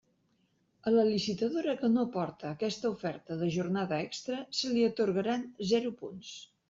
A la licitadora que no aporte aquesta oferta de jornada extra se li atorgaran zero punts.